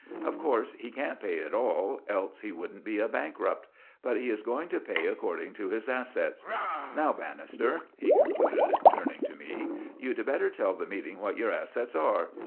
Of course he can't pay it all—else he wouldn't be a bankrupt—but he is going to pay according to his assets. Now, Bannister," he concluded, turning to me, "you'd better tell the meeting what your assets are.